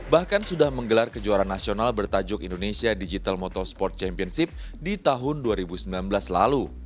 bahkan sudah menggelar kejuaraan nasional bertajuk indonesia digital motorsport championship di tahun dua ribu sembilan belas lalu